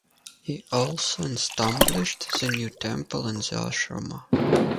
He also established the new temple in the Ashrama.